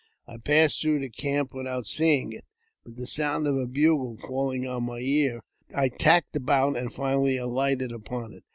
I passed through the camp without seeing it ; but the sound of a bugle falling on my ear, I tacked about, and finally alighted upon it.